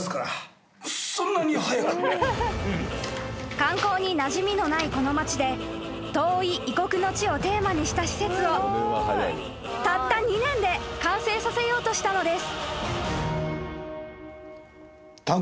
［観光になじみのないこの町で遠い異国の地をテーマにした施設をたった２年で完成させようとしたのです］